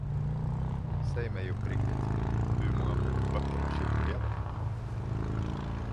Säg mig uppriktigt: Hur många motböcker har kyrkoherden?